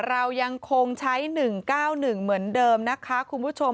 เรายังคงใช้๑๙๑เหมือนเดิมนะคะคุณผู้ชม